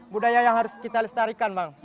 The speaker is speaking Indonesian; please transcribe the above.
budaya yang harus kita lestarikan bang